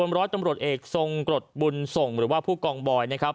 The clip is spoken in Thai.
ร้อยตำรวจเอกทรงกรดบุญส่งหรือว่าผู้กองบอยนะครับ